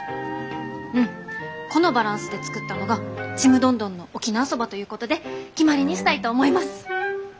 うんこのバランスで作ったのがちむどんどんの沖縄そばということで決まりにしたいと思います。